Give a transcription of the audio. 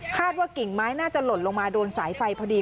ว่ากิ่งไม้น่าจะหล่นลงมาโดนสายไฟพอดี